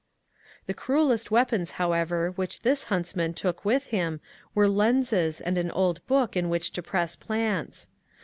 The cruellest weapons, however, which this huntsman took with him were lenses and an old book in which to press plants.